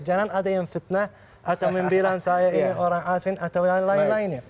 jangan ada yang fitnah atau bilang saya ini orang asing atau lain lain ya